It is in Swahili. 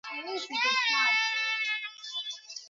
wanadiplomasia wamesema kuwa majadiliano hayo